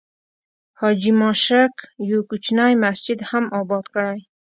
حاجي ماشک یو کوچنی مسجد هم آباد کړی.